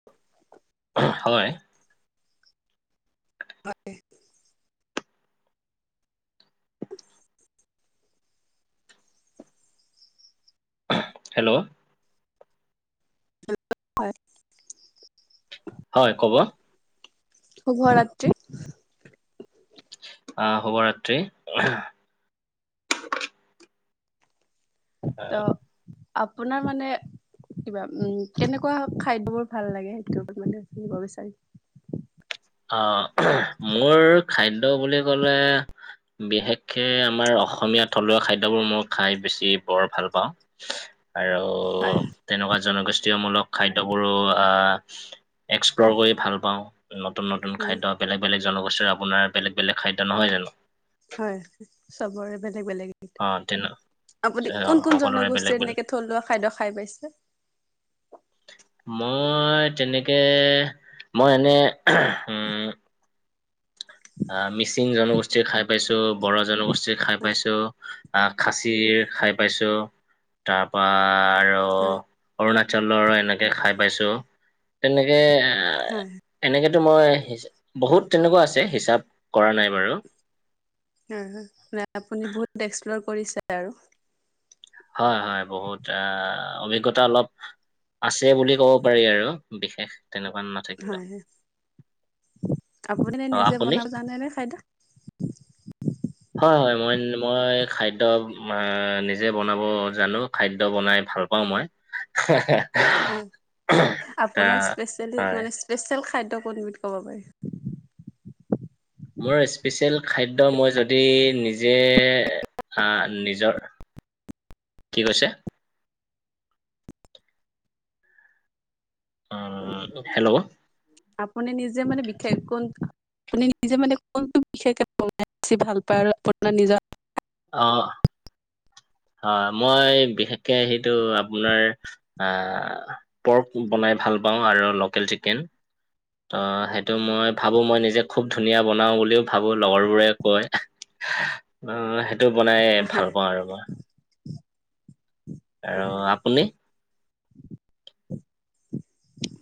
অ [inaudible] আহ হয়। হয়। উ আঁহ হেল্ল'? হয় [inaudible] হয় ক'ব? শুভ ৰাত্ৰি। আহ শুভৰাত্ৰি ইহা। ত' আপোনাৰ মানে কিবা, উম কেনেকুৱা খাদ্যবোৰ ভাল লাগে সেইটোৰ ওপৰত মানে শুনিব বিচাৰিম? অ উহ, মোৰ খাদ্য বুলি কলে বিশেষকে আমাৰ অসমীয়া থলুৱা খাদ্যবোৰ মই খাই বেছি বৰ ভাল পাওঁ। চু হয় আৰু তেনেকুৱা জনগোষ্ঠীয়মূলক খাদ্যবোৰো আ এক্সপ্ল'ৰ কৰি ভাল পাওঁ নতুন - নতুন হয় খাদ্য, বেলেগ - বলেগ জনগোষ্ঠীৰ আপোনাৰ বেলেগ - বেলেগ খাদ্য নহয় জানো? হয় চবৰে বেলেগ বেলেগ অ তেনে আপুনি অ, কোন কোন সকলোৰে বেলেগ জনগোষ্ঠীৰ বেলেগ এনেকে। থলুৱা খাদ্য খাই পাইছে। মই তেনেকে মই এনে উম। আহ মিচিং জনগোষ্ঠীৰ খাই পাইছো ব়ঢ়ো জনগোষ্ঠীৰ খাই হয় পাইছোঁ। আহ খাচি খাই পাইছোঁ তাৰ পা আৰু। হয় অৰুণাচলৰ এনেকে খাই পাইছোঁ তেনেকে এ। হয় এনেকেতো মই বহুত তেনেকুৱা আছে হিচাপ কৰা নাই বাৰু। উম আপুনি বহুত এক্সপ্লৰ কৰিছে আৰু। হয় হয় বহুত আ অভিজ্ঞতা অলপ। আছে বুলি ক'ব পাৰি আৰু বিশেষ তেনেকুৱা না। হয় আপুনি নে অ নিজে আপুনি বনাব জানে নে খাদ্য। হয় হয় মই মই খাদ্য নিজে বনাব জানো খাদ্য বনাই ভাল পা। ভাল পাওঁ মই, হয় আপোনাৰ তাৰ স্পেচিয়েলি মই হয়। মানে স্পেচিয়েল খাদ্য কোনবিধ ক'ব পাৰি। মোৰ স্পেচিয়েল খাদ্য মই যদি নিজে। এ হা আহ নিজৰ কি কৈছে। উম হেল্ল' আপুনি নিজে মানে বিশেষ কৈ। আপুনি নিজে মানে কোনটো বিশেষকে বনাই বেছি ভাল পায় আৰু আপোনাৰ নিজৰ। অ। অ মই বিশেষকে সেইটো আপোনাৰ। আ পৰ্ক বনাই ভাল পাওঁ আৰু লোকেল চিকেন। ত সেইটো মই ভাবো মই নিজে খুব ধুনীয়া বনাওঁ বুলিও ভাবো লগৰবোৰে কয়। অ সেইটো বনাই ভাল পাওঁ আৰু মই। আৰু হয় হয় আপুনি।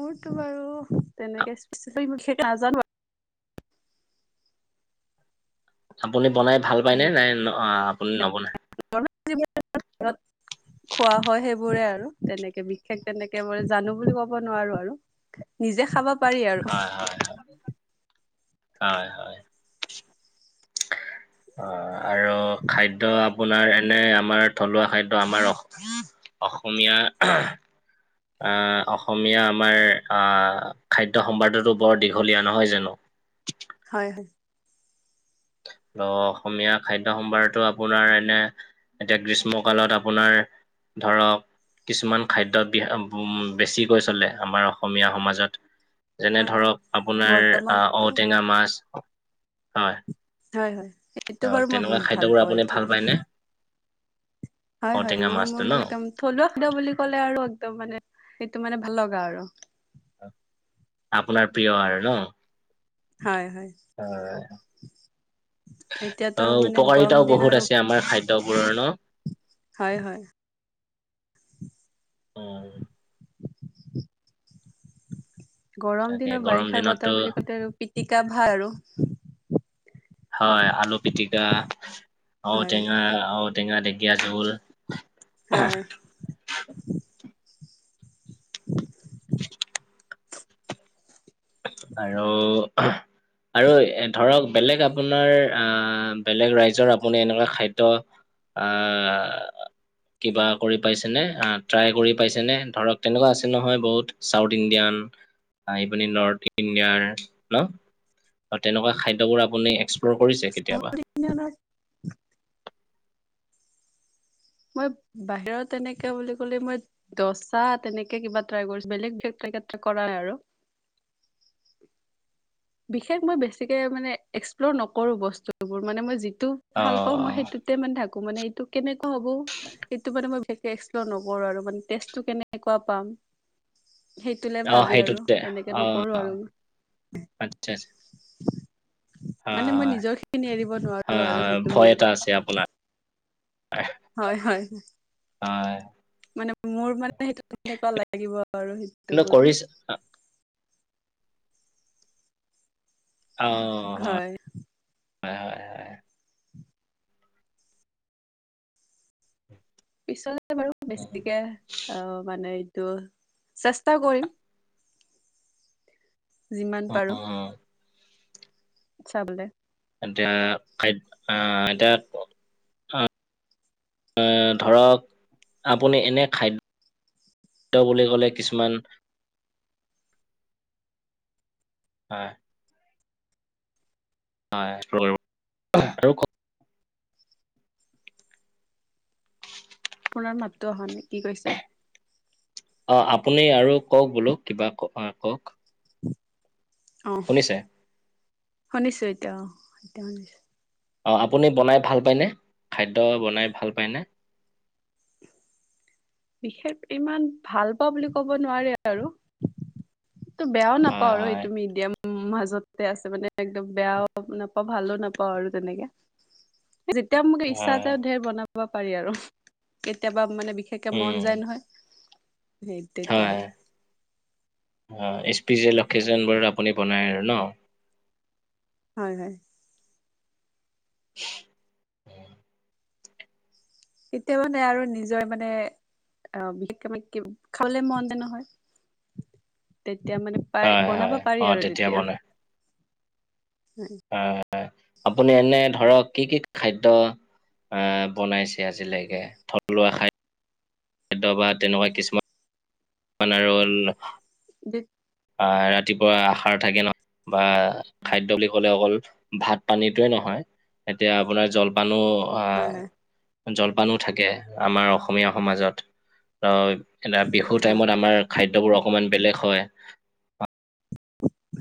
মোৰতো বাৰু তেনেকে প বিশেষ নাজানো আৰু। আপুনি বনাই ভাল পায়নে নাই আপুনি অ নবনায়। ঘৰত যিবিলাক খোৱা হয় সেইবোৰে আৰু। তেনেকে বিশেষ তেনেকে মই জানো বুলি ক'ব নোৱাৰো আৰু নিজে খাব। পাৰি আৰু হয় হয় হয়। অ আৰু খাদ্য আপোনাৰ। নে আমাৰ থলুৱা খাদ্য আমাৰ অসমীয়া। আ অসমীয়া আমাৰ আহ খাদ্য সম্ভাদতো বৰ দীঘলীয়া নহয় জানো। হয় হয়। অ অসমীয়া খাদ্য সম্ভাৰতটো আপোনাৰ এনে। এতিয়া গ্ৰীষ্ম কালত আপোনাৰ ধৰক। কিছুমান খাদ্য বেছিকৈ চলে আমাৰ অসমীয়া সমাজত। যেনে ধৰক আপোনাৰ আ বৰ্তমানতো ঔটেঙা মাছ হয়। হয় হয় ত এইটো বাৰু মই তেনেকুৱা বহুত ভাল খাদ্যবোৰ পাওঁ আপুনি এইটো। ভাল পায়নে হয় হয় ঔটেঙা এইবোৰ মাছটো মোৰ ন মানে একদম থলুৱা খাদ্য বুলি ক'লে আৰু একদম মানে সেইটো মানে ভাল লগা আৰু। আপোনাৰ প্ৰিয় আৰু ন। হয় হয় অ। এতিয়াতো আৰু অহ মানে গৰম উপকাৰিতাও বহুত আছে আমাৰ খাদ্যবোৰৰ ন। হয়-হয়। [inaudible] অঁ! [inaudible] [inaudible] গৰম তাকে দিনৰ গৰম বাৰিষাৰ দিনততো বতৰ বুলি কওঁতে আৰু [unintelligible] পিটিকা ভাত আৰু [inaudible] হয়। আলু পিটিকা, ঔটেঙা, হয় ঔটেঙা ঢেকীয়া জোল। [inaudible] হয়। [unintelligible] আৰু [unintelligible] আৰু ধৰক বেলেগ আপোনাৰ আহ বেলেগ ৰাইজৰ আপুনি এনেকুৱা খাদ্য [unintelligible] আহ [unintelligible] কিবা কৰি পাইছেনে ট্ৰাই কৰি পাইছেনে ধৰক তেনেকুৱা আছে নহয় বহুত চাউথ ইণ্ডিয়ান [inaudible] আহি পিনি নৰ্থ [inaudible] ইণ্ডিয়াৰ হেল্লৌ তেনেকুৱা খাদ্যবোৰ আপুনি এক্সপ্ল'ৰ কৰিছে কেতিয়াবা? [unintelligible] [inaudible] মই বাহিৰত তেনেকে বুলি ক'লে মই [unintelligible] দচা তেনেকে কিবা ট্ৰাই কৰিছোঁ বেলেগ [unintelligible] কৰা নাই আৰু। বিশেষ মই বেছিকে মানে এক্সপ্ল'ৰ নকৰো বস্তুবোৰ মানে মই যিটো অ ভাল পাওঁ মই সেইটো [inaudible] [inaudible] মান থাকো মানে এইটো কেনেকুৱা হ'ব? সেইটো মানে মই বিশেষকে এক্সপ্লৰ নকৰো আৰু মানে টেষ্টটো কেনেকুৱা পাম [inaudible] সেইটোলে অ ভাবি আৰু সেইটোতে তেনেকে নকৰো আৰু ম‌ই। [unintelligible] আচ্ছা [inaudible] [unintelligible] হয় মানে মই হয় নিজৰখিনি এৰিব নোৱাৰো হয় আৰু হয় সেইটো মেইন কথা। হয় [inaudible] হয়-হয়। [unintelligible] হয়। [inaudible] মানে মোৰ মানে সেইটো তেনেকুৱা লাগিব আৰু সেইটো মোৰ। [inaudible] [unintelligible] অঁ! [inaudible] হয়। [unintelligible] হয়-হয়-হয়। [unintelligible] পিছলে বাৰু বেছিকে অঁ মানে এইটো চেষ্টা কৰিম। [unintelligible] যিমান অ পাৰোঁ। [inaudible] চাবলে [unintelligible] এতিয়া খাদ [inaudible] এতিয়া [inaudible] ধৰক আপুনি এনে খাদ্য বুলি ক'লে কিছুমান অ [inaudible] হয় একসপ্ আৰু [unintelligible] আপোনাৰ মাতটো অহা নাই কি কৈছে? [unintelligible] অঁ! আপুনি আৰু কওক বোলো কিবা কথা কওক? [inaudible] অঁ! শুনিছে শুনিছোঁ এতিয়া অঁ এতিয়া শুনিছোঁ। [inaudible] অঁ! আপুনি বনাই ভাল পায় নে? খাদ্য বনাই ভাল পায় নে? [unintelligible] বিশেষ ইমান ভাল পাওঁ বুলি ক'ব নোৱাৰে আৰু। [inaudible] টো বেয়াও নাপাওঁ হয় আৰু হয় এইটো মিডিয়াম মাজতে আছে মানে একদম বেয়াও [inaudible] ভালো নাপাওঁ আৰু তেনেকে। যেতিয়াও মোক ইচ্ছা হয় আছে ধেৰ বনাব [inaudible] পাৰি আৰু কেতিয়াবা মানে বিশেষকে উম মন যায় নহয়। [inaudible] সেই তেতিয়া আৰু [unintelligible] অ স্পিচিয়েল অকেচনবোৰ আপুনি বনায় আৰু ন। হয় হয়। [inaudible] কেতিয়া মানে আৰু নিজৰ মানে অ বিশেষকে খাবলে মন ন নহয়। তেতিয়া মানে পাৰ হয় হয় বনাব অ পাৰি আৰু বনাই তেতিয়া। আহ আপুনি এনে ধৰক কি কি খাদ্য অ বনাইছে আজিলৈকে থলুৱা খা খাদ্য বা তেনেকুৱা কিছুমান [unintelligible] [inaudible] আহ ৰাতিপুৱা আহাৰ থাকে নহ বা খাদ্য বুলি কলে অকল ভাত পানীটোৱে নহয়। এতিয়া আপোনাৰ জলপানো আহ হয় হয়। জলপানো থাকে আমাৰ অসমীয়া সমাজত এ বিহু হয় টাইমত আমাৰ খাদ্যবোৰ অকমান বেলেগ হয়।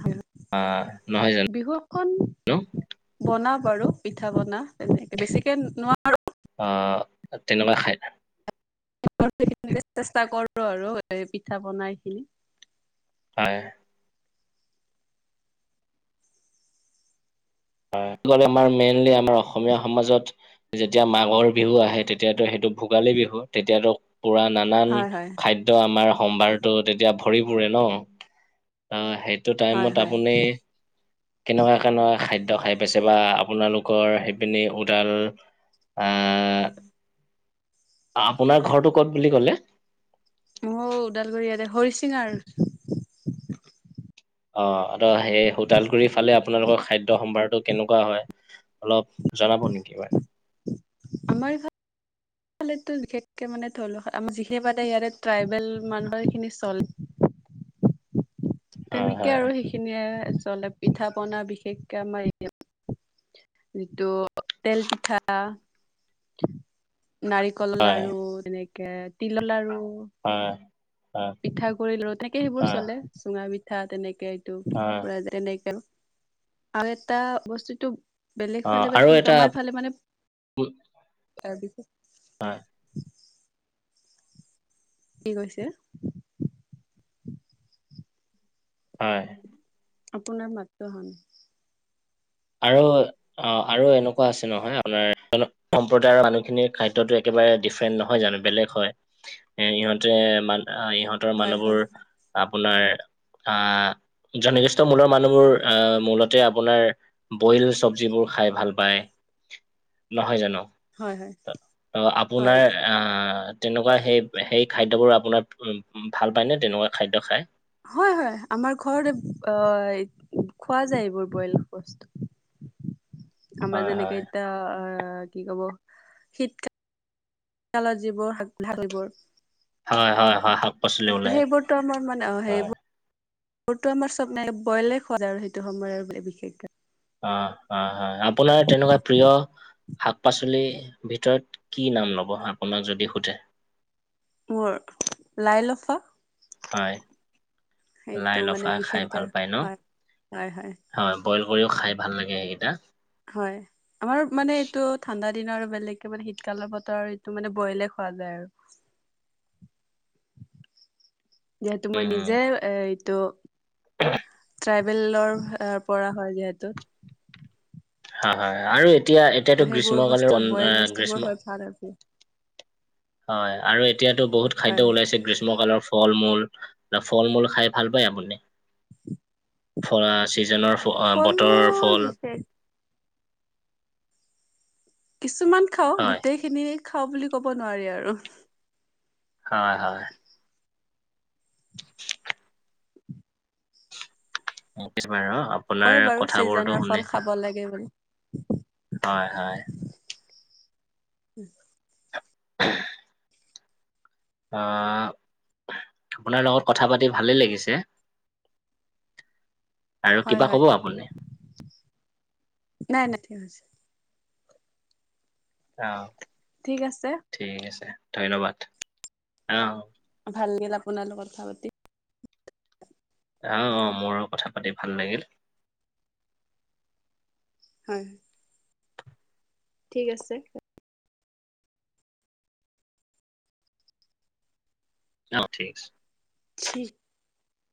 হয়। আহ নহয় জানো? [unintelligible] বনাও বাৰু পিঠা পনা তেনেকে বেছিকে নোৱাৰো। অ তেনেকুৱা খাই [unintelligible] চেষ্টা কৰো আৰু এই পিঠা বনাই খিনি। হয়। হয়, কব গলে আমাৰ মেইনলি আমাৰ অসমীয়া সমাজত যেতিয়া মাঘৰ বিহু আহে তেতিয়াতো সেইটো ভোগালী বিহু, তেতিয়াতো পুৰা নানান হয় হয় খাদ টো আমাৰ সম্ভাৰতো তেতিয়া ভৰি পুৰে ন ত সেই টো হয় টাইমত হয়। আপুনি কেনেকুৱা কেনেকুৱা খাদ্য খাই পাইছে বা আপোনালোকৰ সেইপিনি উডাল আপোনাৰ ঘৰটো ক'ত বুলি ক'লে? মোৰ ওদালগুৰি ইয়াতে হৰিচিঙৰ অ ত সেই ওদালগুৰি ফালে আপোনালোকৰ খাদ্যয় সম্ভাৰটোক কেনেকুৱা হয়, অলপ জনাব নেকি মানে? আমাৰ এইফালে টো বিশেষকে মানে ধৰি লওঁ আমাৰ যিখিনি মানে ইয়াতে ট্ৰাইবেল মানুহৰ খিনি চল তেনেকে হয় আৰু সেইখিনিয়ে চলে পিঠা পনা বিশেষকে আমাৰ যিটো তেলপিঠা, নাৰিক কলৰ হয় লাৰু, তেনেকে তিলৰ লাৰু, হয়। হয় পিঠাগুড়ি তেনেকে সেইবোৰ হয় চলে চুঙা পিঠা তেনেকে হয় [unintelligible] আৰু এটা বস্তুটো বেলেগ অ ফালে বা আৰু কি এটা কয় আমাৰ ফালে মানে তাৰপিচত হয়। কি কৈছে? হয়। আপোনাৰ মাতটো অহা নাই। আৰু অ আৰু এনেকুৱা আছে নহয় আপোনাৰ সম্প্ৰদায়ৰ মানুহখিনিৰ খাদ্যতো একেবাৰে ডিফাৰেন্ট নহয় জানো বেলেগ হয়। এ ইহঁতে মান আহ ইহঁতৰ হয় মানুহবোৰ হয় আপোনাৰ আহ জনগোষ্ঠীৰ মূলৰ মানুহবোৰ আহ মূলতে আপোনাৰ বইল চবজিবোৰ খাই ভাল পায় নহয় জানো। হয় ত হয় হয় আপোনাৰ তেনেকুৱা সেই সেই খাদ্যবোৰ আপোনাৰ ভাল পায়নে তেনেকুৱা খাদ্য খায়? হয়, হয়, আমাৰ ঘৰত অ' খোৱা যায় এইবোৰ বইল বস্তু আমাৰ হয় হয় যেনেকে এতিয়া অ কি কব শীতকাল শীতকালত যিবোৰ শাক - চাক এইবোৰ হয় হয় হয় হয় পাচলি ওলাই সেইবোৰতো আমাৰ মানে অ সেইবোৰ সেইটো আমাৰ চব নাই বইলে খোৱা যায় আৰু সেইটো সময় আৰু বিশেষকে হয় হয় হয় আপোনাৰ তেনেকুৱা প্ৰিয়। শাক পাচলিৰ ভিতৰত কি নাম ল'ব আপোনাক যদি শুধে। মোৰ লাই লফা। হয় লাই সেইটো মানে লফা খাই বিশেষকে ভাল পায় ন হয় হয় হয়। বইল কৰিও খাই ভাল লাগে সেইকেইটা। হয় আমাৰ মানে এইটো ঠাণ্ডা দিনৰ বেলেগকে মানে শীতকালৰ বতৰ এইটো মানে বইলে খোৱা যায় আৰু যিহেতু মই নিজে এ এইটো [inaudible] ট্ৰাইবেলৰ পৰা হয় যিহেতু হয়, হয়, আৰু এতিয়া ত' এতিয়াতো সেইবোৰ গ্ৰীষ্ম বস্তু কালৰ বইল গ্ৰীষ্ম [inaudible] হয়, আৰু এতিয়াতো বহুত হয়। খাদ্য ওলাইছে গ্ৰীষ্ম কালৰ। ফল মূল ন ফল মূল খাই ভাল পায় আপুনি? [inaudible] ফল চিজনৰ ফল বতৰৰ মূল ফল বিশেষ কিছুমান খাওঁ হয় গোটেইখিনি খাওঁ বুলি ক'ব নোৱাৰি আৰু হয় হয়। [inaudible] কিছুমানে অ কয় আপোনাৰ বাৰু কথাবোৰতো ছিজনৰ ফল শুনি খাব লাগে বুলি। হয় হয়। উম আহ আপোনাৰ লগত কথা পাতি ভালেই লাগিছে। [inaudible] আৰু কিবা হয়, ক'ব আপুনি? নাই নাই ঠিক হৈছে। অ ঠিক আছে ঠিক আছে ধন্যবাদ অ। ভাল লাগিলে আপোনাৰ লগত কথা পাতি। অ অ মোৰ কথা পাতি ভাল লাগিল। হয়। ঠিক আছে। অ ঠিক আছে। ছি